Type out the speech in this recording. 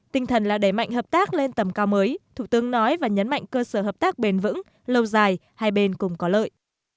tinh thần là đẩy mạnh hợp tác lên tầm cao mới thủ tướng nói và nhấn mạnh cơ sở hợp tác bền vững lâu dài hai bên cùng có lợi